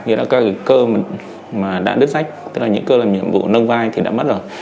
nghĩa là các cơ mà đã đứt sách tức là những cơ làm nhiệm vụ nâng vai thì đã mất rồi